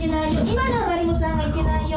今のはマリモさんがいけないよ！